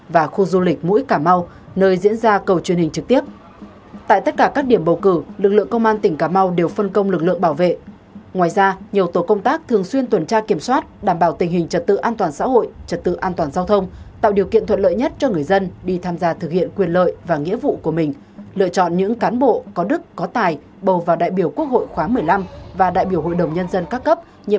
tại tỉnh cà mau nơi cực nam tổ quốc lực lượng công an đã triển khai các biện pháp nhằm đảm bảo an ninh trật tự trật tự an toàn giao thông phòng chống cháy nổ tại tất cả các điểm bầu cử